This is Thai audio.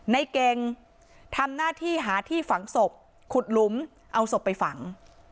ในเก่งทำหน้าที่หาที่ฝังศพขุดหลุมเอาศพไปฝัง